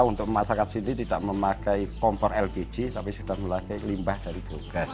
untuk masyarakat sini tidak memakai kompor lpg tapi sudah memakai limbah dari biogas